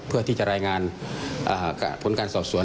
เพื่อที่จะรายงานผลการสอบสวน